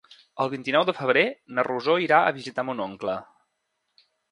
El vint-i-nou de febrer na Rosó irà a visitar mon oncle.